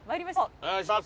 お願いします。